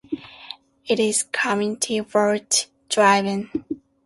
It is community vote driven.